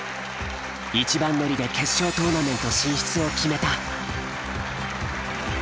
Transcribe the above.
１番乗りで決勝トーナメント進出を決めた。